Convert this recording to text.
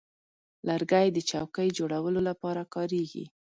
لرګی د چوکۍ جوړولو لپاره کارېږي.